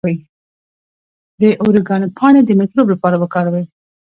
د اوریګانو پاڼې د مکروب لپاره وکاروئ